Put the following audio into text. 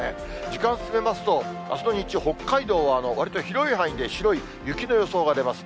時間進めますと、あすの日中、北海道はわりと広い範囲で白い雪の予想が出ます。